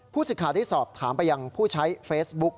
ผู้สิทธิศอบถามไปยังผู้ใช้เฟซบุ๊ก